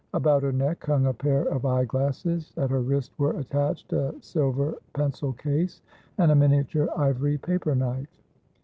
About her neck hung a pair of eye glasses; at her wrist were attached a silver pencil case and a miniature ivory paper knife.